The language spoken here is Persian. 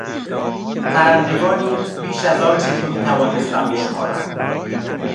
پرندگانی بیش از آنچه که میتوانستم بشمارم